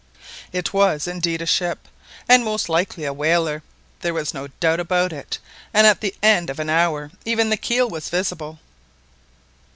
It was indeed a ship, and most likely a whaler. There was no doubt about it, and at the end of an hour even the keel was visible.